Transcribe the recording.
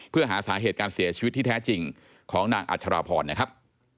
เพื่อหาสาเหตุการเสียชีวิตที่แท้จริงของนางอัชราพรนะครับ